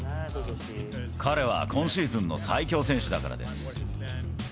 彼は今シーズンの最強選手だからです。